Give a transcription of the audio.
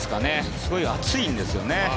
すごい熱いんですよね。